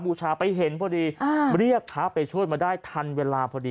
บูชาไปเห็นพอดีเรียกพระไปช่วยมาได้ทันเวลาพอดี